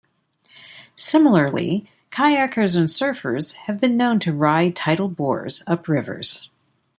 Similarly, kayakers and surfers have been known to ride tidal bores up rivers.